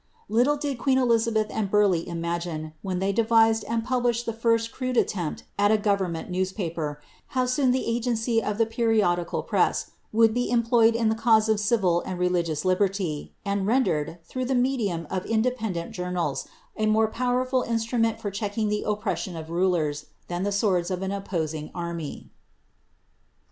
Little did queen Elizabeth and Burleigh imagine, when they devised and published the first crude attempt at a government newspaper, how sooQ the agency of the periodical press would be employed in the cause of civil and religious liberty, and rendered, through the medium of inde peodent journals, a more powerful instrument for checking the oppres sion of rulers, than the swords of an opposing army.